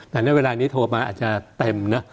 แต่ในเวลานี้โทรมาอาจจะเต็มเนอะ